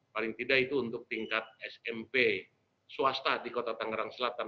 paling tidak itu untuk tingkat smp swasta di kota tangerang selatan